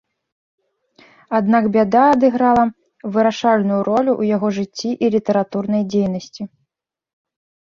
Аднак бяда адыграла вырашальную ролю ў яго жыцці і літаратурнай дзейнасці.